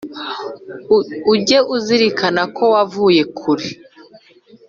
ujye uzirikana ko wavuye kure